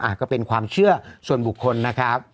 ก็เป็นความเชื่อส่วนบุคคลนะครับ